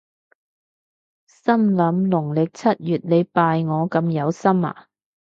心諗農曆七月你拜我咁有心呀？